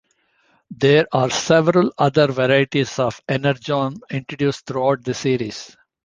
There are several other varieties of Energon introduced throughout the series.